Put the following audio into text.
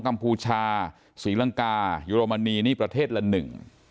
กมชาศรีลังกายุรมนีนี่ประเทศละหนึ่ง